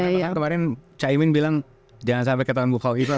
karena kemarin caimin bilang jangan sampai ketahuan bu fokyipah